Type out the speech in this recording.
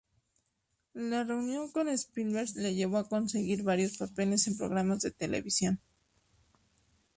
La reunión con Spielberg le llevó a conseguir varios papeles en programas de televisión.